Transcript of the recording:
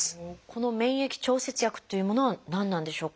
この「免疫調節薬」っていうものは何なんでしょうか？